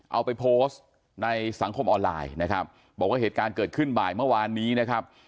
เอาไปโพสต์ในสังคมออนไลน์นะครับบอกว่าเหตุการณ์เกิดขึ้นบ่ายเมื่อวานนี้นะครับ